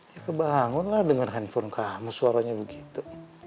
ya kebangun lah dengan handphone kamu suaranya begitu